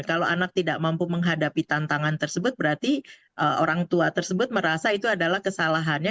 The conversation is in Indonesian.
kalau anak tidak mampu menghadapi tantangan tersebut berarti orang tua tersebut merasa itu adalah kesalahannya